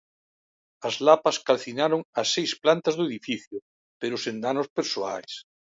As lapas calcinaron as seis plantas do edificio, pero sen danos persoais.